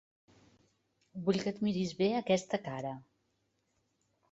Vull que et miris bé aquesta cara.